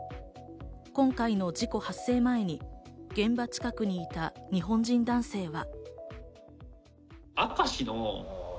今回の事故発生前に現場近くにいた日本人男性は。